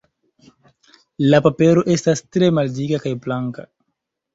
La papero estas tre maldika kaj blanka.